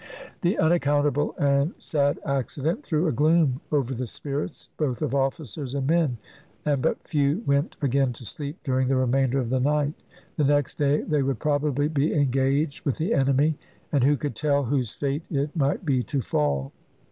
The unaccountable and sad accident threw a gloom over the spirits both of officers and men, and but few went again to sleep during the remainder of the night. The next day they would probably be engaged with the enemy, and who could tell whose fate it might be to fall?